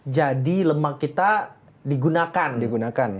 jadi lemak kita digunakan